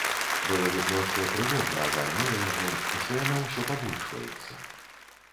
Было відно, што трывога агарнула яго і што яна ўсё пабольшваецца.